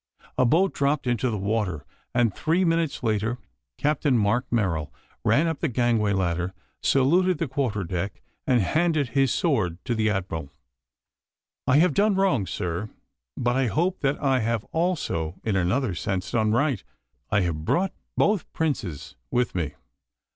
A boat dropped into the water, and three minutes later Captain Mark Merrill ran up the gangway ladder, saluted the quarter deck, and handed his sword to the Admiral. "I have done wrong, sir, but I hope that I have also, in another sense, done right. I have brought both princes with me."